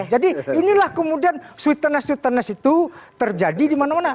jadi inilah kemudian sweetness sweetness itu terjadi dimana mana